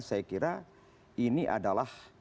saya kira ini adalah